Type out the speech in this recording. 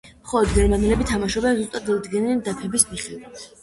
მხოლოდ გერმანელები თამაშობდნენ ზუსტად დადგენილი დაფების მიხედვით.